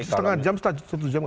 setengah jam satu jam ke depan